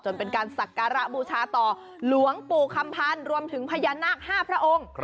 เป็นการสักการะบูชาต่อหลวงปู่คำพันธ์รวมถึงพญานาค๕พระองค์